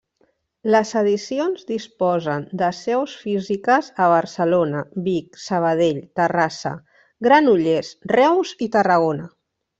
Les edicions disposen de seus físiques a Barcelona, Vic, Sabadell, Terrassa, Granollers, Reus i Tarragona.